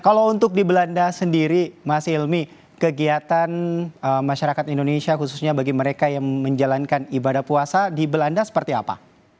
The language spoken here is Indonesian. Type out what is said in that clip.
kalau untuk di belanda sendiri mas ilmi kegiatan masyarakat indonesia khususnya bagi mereka yang menjalankan ibadah puasa di belanda seperti apa